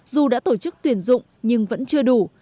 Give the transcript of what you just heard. dù đã tổ chức tuyển dụng nhưng vẫn chưa đủ